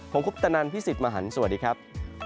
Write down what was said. ผมคุปตะนันพี่สิทธิ์มหันฯสวัสดีครับ